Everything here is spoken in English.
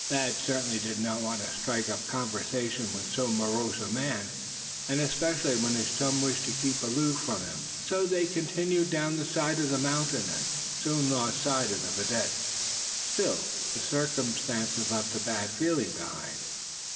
Thad certainly did not want to strike up a conversation with so morose a man; and especially when his chum wished to keep aloof from him. So they continued along down the side of the mountain, and soon lost sight of the vidette. Still, the circumstance left a bad feeling behind.